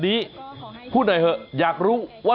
หมอกิตติวัตรว่ายังไงบ้างมาเป็นผู้ทานที่นี่แล้วอยากรู้สึกยังไงบ้าง